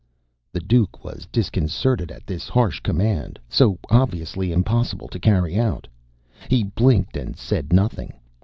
_" The Duke was disconcerted at this harsh command, so obviously impossible to carry out. He blinked and said nothing.